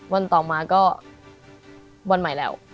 วันต่อมาก็วันใหม่แล้ว